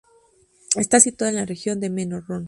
Está situado en la región de Meno-Rhön.